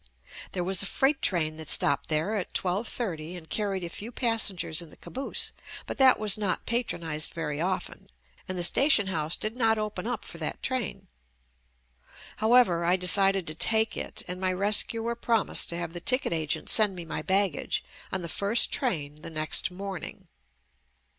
There was a freight train that stopped there at twelve thirty and carried a few passengers in the caboose, but that was not patronized very often, and the station house did not open up for that train. However, I decided to take it and my rescuer promised to have the ticket agent send me my baggage on the first train the next morning.